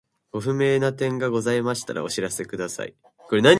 ご不明な点がございましたらお知らせください。